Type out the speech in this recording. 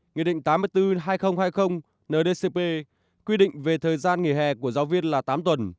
nghị định tám mươi bốn hai nghìn hai mươi ndcp quy định về thời gian nghỉ hè của giáo viên là tám tuần